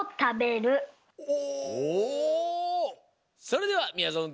それではみやぞん